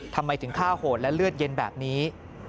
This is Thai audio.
ทำไมถึงฆ่าโหดและเลือดเย็นแบบนี้